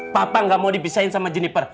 papa nggak mau dipisahin sama jenniper